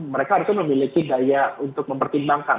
mereka harusnya memiliki daya untuk mempertimbangkan